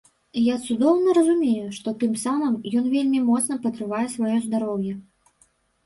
Я цудоўна разумею, што тым самым ён вельмі моцна падрывае сваё здароўе.